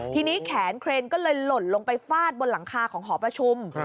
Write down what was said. ทีนี้แขนเครนก็เลยหล่นลงไปฟาดบนหลังคาของหอประชุม